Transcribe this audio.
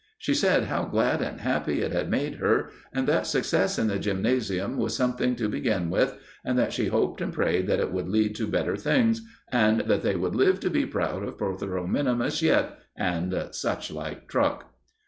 She said how glad and happy it had made her, and that success in the gymnasium was something to begin with, and that she hoped and prayed that it would lead to better things, and that they would live to be proud of Protheroe minimus yet, and such like truck!